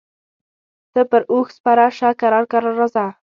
ته پر اوښ سپره شه کرار کرار راځه.